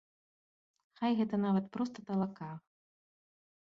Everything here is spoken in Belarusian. Хай гэта нават проста талака.